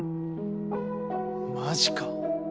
マジか。